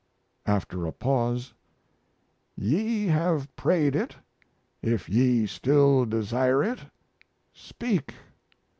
(After a pause.) "Ye have prayed it; if ye still desire it, speak!